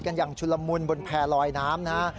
กันอย่างชุดละมุนบนแผ่ลอยน้ำนะฮะ